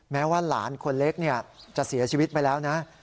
แม้ว่าหลานคนเล็กจะเสียชีวิตไปแล้วนะ